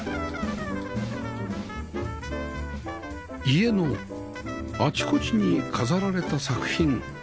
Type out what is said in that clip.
家のあちこちに飾られた作品